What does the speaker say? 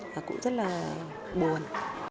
và cũng rất là buồn